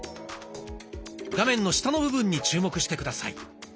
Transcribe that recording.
画面の下の部分に注目して下さい。